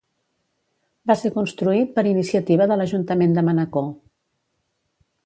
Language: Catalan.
Va ser construït per iniciativa de l'Ajuntament de Manacor.